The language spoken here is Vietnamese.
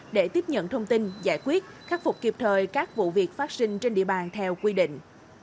để tiếp nhận thông tin giải quyết khắc phục kịp thời các vụ việc phát sinh trên địa bàn theo quy định